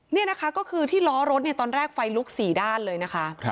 นี่นะคะก็คือที่ล้อรถตอนแรกไฟลุก๔ด้านเลยนะคะ